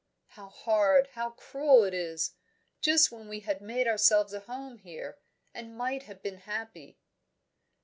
How hard, how cruel it is! Just when we had made ourselves a home here, and might have been happy!"